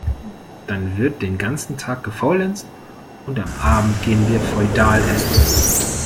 Dann wird den ganzen Tag gefaulenzt und am Abend gehen wir feudal Essen.